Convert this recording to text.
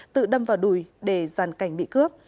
tự đâm vào đùi để giàn cảnh bị cướp